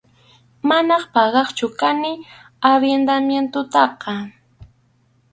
Manam pagaqchu kani arrendamientotaqa.